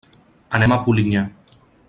Anem a Polinyà.